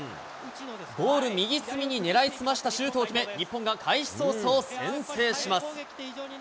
ゴール右隅に狙い澄ましたシュートを決め、日本が開始早々、先制します。